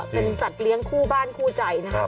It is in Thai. เป็นสัตว์เลี้ยงคู่บ้านคู่ใจนะครับ